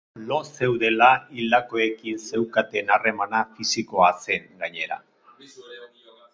Lo zeudela hildakoekin zeukaten harremana fisikoa zen, gainera.